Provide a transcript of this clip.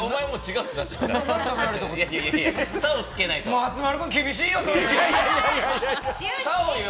松丸さん、厳しいよ。